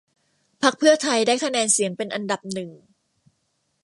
พรรคเพื่อไทยได้คะแนนเสียงเป็นอันดับหนึ่ง